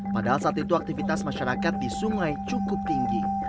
padahal saat itu aktivitas masyarakat di sungai cukup tinggi